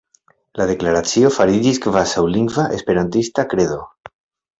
La Deklaracio fariĝis kvazaŭ lingva esperantista "Kredo".